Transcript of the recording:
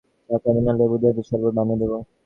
চা খাবেন, না লেবু দিয়ে দিয়ে সরবত বানিয়ে দেব?